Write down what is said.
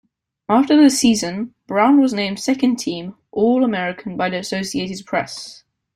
After the season, Brown was named Second-Team All-American by the Associated Press.